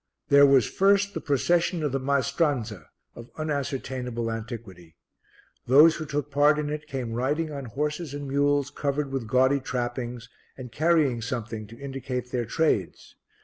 There was first the Procession of the Maestranza, of unascertainable antiquity. Those who took part in it came riding on horses and mules covered with gaudy trappings and carrying something to indicate their trades.